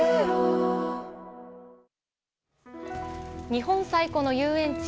日本最古の遊園地